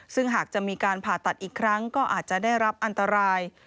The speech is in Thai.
ซึ่งหากจะมีการผ่าตัดอีกครั้งก็อาจจะได้รับอันตราย